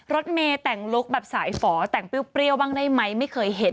รถเมย์แต่งลุคแบบสายฝอแต่งเปรี้ยวบ้างได้ไหมไม่เคยเห็น